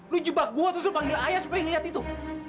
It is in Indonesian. lu jebak gue terus lo panggil ayah supaya ngeliat itu